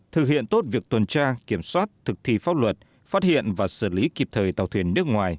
thực hiện tốt việc tuần tra kiểm soát thực thi pháp luật phát hiện và xử lý kịp thời tàu thuyền nước ngoài